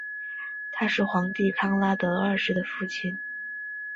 他是皇帝康拉德二世的父亲。